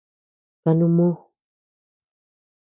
Kanuu moo.